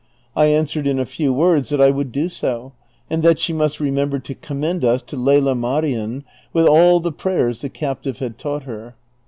I answered in a few words that I would do so, and that she must rememl:)er to commend us to Lela Marien with all tlie prayei'S the captive had taught her.